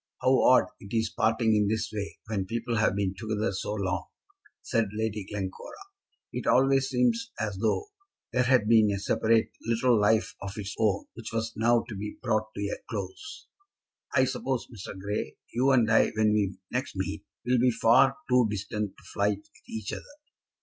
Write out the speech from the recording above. "How odd it is parting in this way, when people have been together so long," said Lady Glencora. "It always seems as though there had been a separate little life of its own which was now to be brought to a close. I suppose, Mr. Grey, you and I, when we next meet, will be far too distant to fight with each other."